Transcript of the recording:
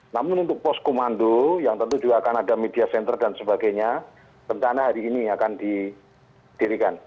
namun untuk poskomando yang tentu juga akan ada media center dan sebagainya rencana hari ini akan didirikan